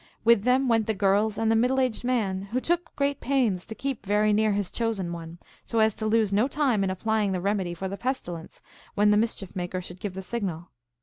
With them went the girls and the middle aged man, who took great pains to keep very near his chosen one, so as to lose no time in applying the remedy for the pestilence when the Mischief Maker should give the signal.